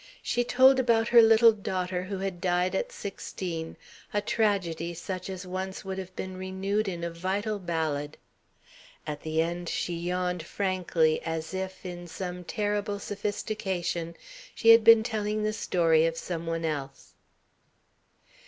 She told about her little daughter who had died at sixteen a tragedy such as once would have been renewed in a vital ballad. At the end she yawned frankly as if, in some terrible sophistication, she had been telling the story of some one else.